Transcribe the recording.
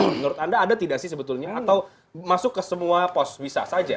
menurut anda ada tidak sih sebetulnya atau masuk ke semua pos bisa saja